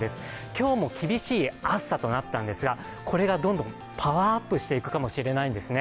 今日も厳しい暑さとなったんですが、これがどんどんパワーアップしていくかもしれないんですね。